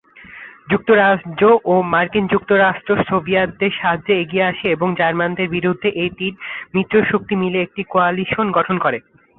যুক্তরাজ্য ও মার্কিন যুক্তরাষ্ট্র সোভিয়েতদের সাহায্যে এগিয়ে আসে এবং জার্মানদের বিরুদ্ধে এই তিন মিত্রশক্তি মিলে একটি কোয়ালিশন গঠন করে।